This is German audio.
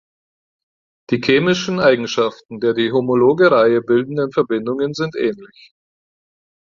Die chemischen Eigenschaften der die homologe Reihe bildenden Verbindungen sind ähnlich.